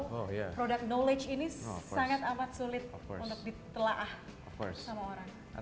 karena kita tahu produk knowledge ini sangat amat sulit untuk ditelaah sama orang